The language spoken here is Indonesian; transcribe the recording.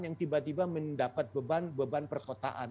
yang tiba tiba mendapat beban beban perkotaan